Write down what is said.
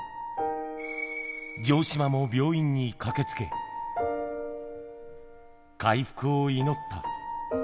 城島も病院に駆けつけ、回復を祈った。